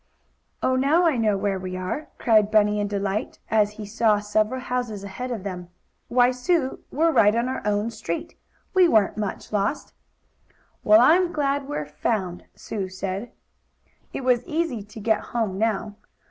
"Oh, now I know where we are!" cried Bunny, in delight, as he saw several houses ahead of them. "Why, Sue, we're right on our own street. We weren't much lost!" "Well, I'm glad we're found," Sue said. It was easy to get home now.